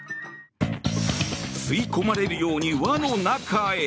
吸い込まれるように輪の中へ。